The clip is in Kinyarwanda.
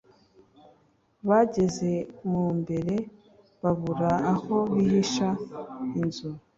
bageze mumbere babura aho bihisha inzu